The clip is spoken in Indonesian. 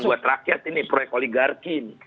ini bukan buat rakyat ini proyek oligarki ini